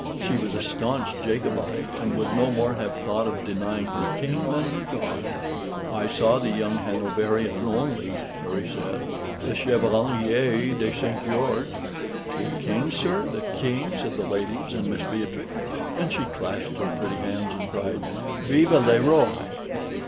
She was a staunch Jacobite, and would no more have thought of denying her king than her God. "I saw the young Hanoverian only," Harry said. "The Chevalier de St. George " "The King, sir, the King!" said the ladies and Miss Beatrix; and she clapped her pretty hands, and cried, "Vive le Roy."